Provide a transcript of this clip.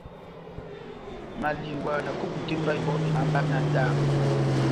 Malingwa na kukutemba yɔngɔ eháhá mba náhádambo.